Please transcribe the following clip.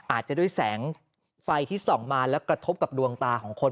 อาจจะด้วยแสงไฟที่ส่องมาแล้วกระทบกับดวงตาของคน